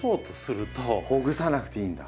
ほぐさなくていいんだ。